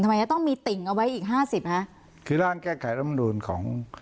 ทำไมจะต้องมีติ่งเอาไว้อีกห้าสิบฮะคือร่างแก้ไขรำนูลของ